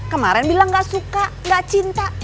kemarin bilang gak suka gak cinta